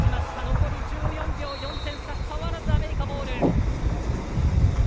残り１４秒、４点差変わらずアメリカボール。